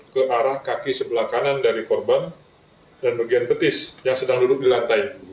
ke arah kaki sebelah kanan dari korban dan bagian petis yang sedang duduk di lantai